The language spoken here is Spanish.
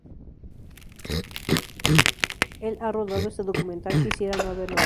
Él ha rodado ese documental: quisiera no haberlo hecho...